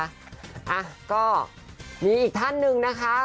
อ่ะก็มีอีกท่านหนึ่งนะคะ